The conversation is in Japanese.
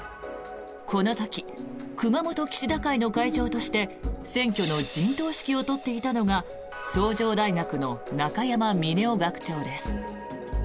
この時、熊本岸田会の会長として選挙の陣頭指揮を執っていたのが崇城大学の中山峰男学長です。